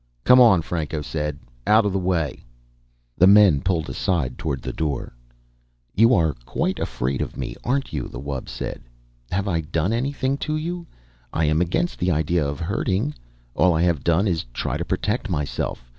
"Come on," Franco said. "Out of the way." The men pulled aside toward the door. "You are quite afraid, aren't you?" the wub said. "Have I done anything to you? I am against the idea of hurting. All I have done is try to protect myself.